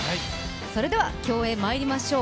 それでは競泳、まいりましょう。